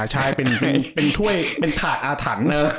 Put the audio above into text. ใช่เป็นถ้วยเป็นถาดอาถรรพ์เนอะ